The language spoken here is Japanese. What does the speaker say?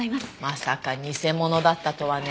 まさか偽者だったとはね。